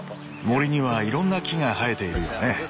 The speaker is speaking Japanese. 森にはいろんな木が生えているよね。